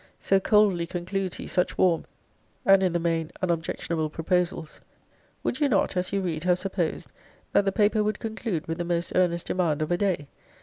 So coldly concludes he such warm, and, in the main, unobjectionably proposals: Would you not, as you read, have supposed, that the paper would conclude with the most earnest demand of a day?